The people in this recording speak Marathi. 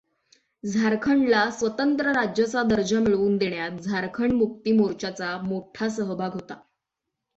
झारखंडला स्वतंत्र राज्याचा दर्जा मिळवून देण्यात झारखंड मुक्ती मोर्चाचा मोठा सहभाग होता.